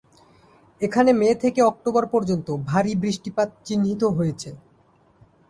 এখানে মে থেকে অক্টোবর পর্যন্ত ভারী বৃষ্টিপাত চিহ্নিত হয়েছে।